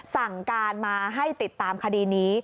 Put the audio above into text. สั่งการมาให้ติดตามคดีนี้